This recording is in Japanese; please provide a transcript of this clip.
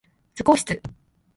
図工室